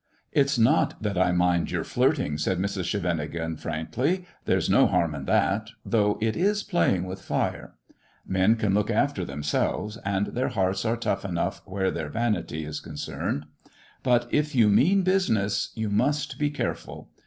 " It's not that I mind your flirting," said Mrs. Scheven MISS JONATHAN 169 ingen, frankly; "there's no harm in that, though it is playing with fire. Men can look after themselves, and their hearts are tough enough where their vanity is con cerned. But if you mean business you must be careful.